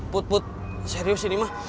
put put serius ini mah